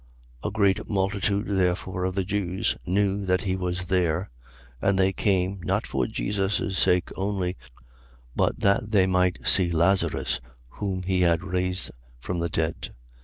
A great multitude therefore of the Jews knew that he was there; and they came, not for Jesus' sake only, but that they might see Lazarus, whom he had raised from the dead.